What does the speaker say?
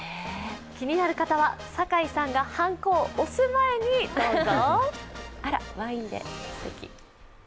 気になる方は坂井さんがはんこを押す前にどうぞ。